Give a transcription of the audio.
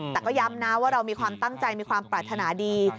แต่ก็ย้ำนะว่าเรามีความตั้งใจมีความปรารถนาดี